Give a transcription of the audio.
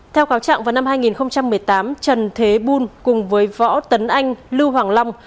theo cáo trạng vào năm hai nghìn một mươi tám trần thế bùn cùng với võ tấn anh lưu hoàng long